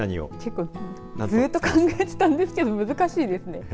これ、結構ずっと考えていたんですけど難しいですね。